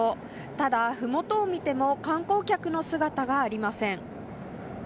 ただ、ふもとを見ても観光客の姿がありません。